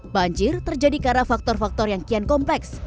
banjir terjadi karena faktor faktor yang kian kompleks